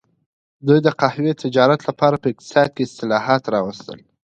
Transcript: دوی د قهوې تجارت لپاره په اقتصاد کې اصلاحات راوستل.